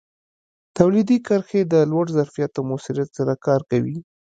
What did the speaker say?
تولیدي کرښې د لوړ ظرفیت او موثریت سره کار کوي.